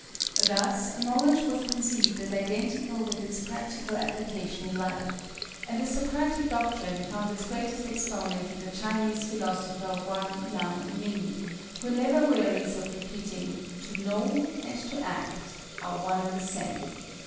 Thus, knowledge was conceived as identical with its practical application in life; and this Socratic doctrine found its greatest exponent in the Chinese philosopher, Wan Yang Ming, who never wearies of repeating, "To know and to act are one and the same."